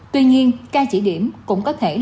tuy nhiên ca chỉ điểm cũng có thể